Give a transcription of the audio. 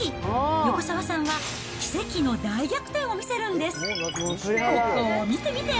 横澤さんは奇跡の大逆転を見せるんです。